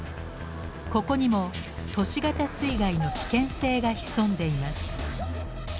ここにも都市型水害の危険性が潜んでいます。